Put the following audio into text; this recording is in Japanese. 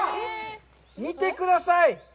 見てください。